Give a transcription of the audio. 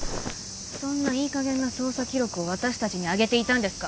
そんないいかげんな捜査記録を私達にあげていたんですか？